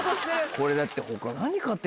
これだって。